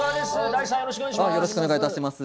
ダイさんよろしくお願いします。